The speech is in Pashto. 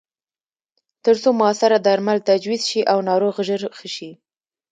ترڅو موثره درمل تجویز شي او ناروغ ژر ښه شي.